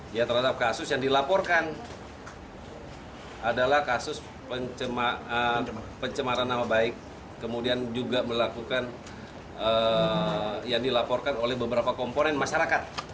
dia terhadap kasus yang dilaporkan adalah kasus pencemaran nama baik kemudian juga melakukan yang dilaporkan oleh beberapa komponen masyarakat